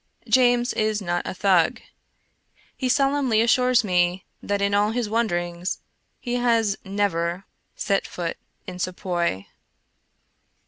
James is not a Thug. He solemnly assures me that in all his wanderings he has never set foot in Sepoy.